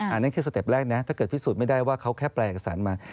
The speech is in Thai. อันนั้นคือสเต็ปแรกนะถ้าเกิดพิสูจน์ไม่ได้ว่าเขาแค่แปลเอกสารมา